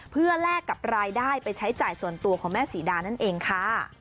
เพื่อแลกกับรายได้ไปใช้จ่ายส่วนตัวของแม่ศรีดานั่นเองค่ะ